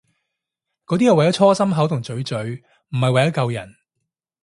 嗰啲係為搓心口同嘴嘴，唔係為咗救人